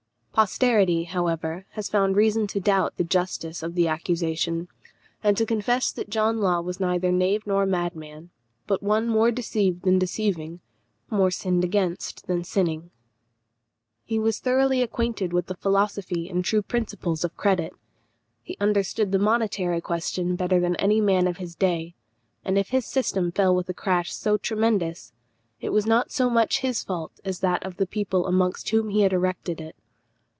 Posterity, however, has found reason to doubt the justice of the accusation, and to confess that John Law was neither knave nor madman, but one more deceived than deceiving, more sinned against than sinning. He was thoroughly acquainted with the philosophy and true principles of credit. He understood the monetary question better than any man of his day; and if his system fell with a crash so tremendous, it was not so much his fault as that of the people amongst whom he had erected it.